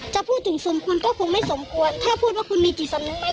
จะพูดถึงซุมคุณก็คงไม่สมควรถ้าพูดว่าคุณมีจิตสำนึกไหม